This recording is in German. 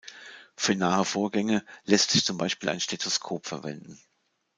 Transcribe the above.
Für nahe Vorgänge lässt sich zum Beispiel ein Stethoskop verwenden.